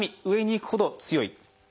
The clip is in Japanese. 上にいくほど強い。